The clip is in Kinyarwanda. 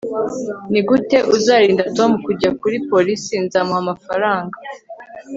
nigute uzarinda tom kujya kuri polisi nzamuha amafaranga